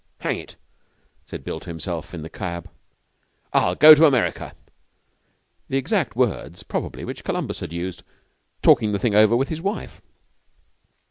'Hang it!' said Bill to himself in the cab, 'I'll go to America!' The exact words probably which Columbus had used, talking the thing over with his wife.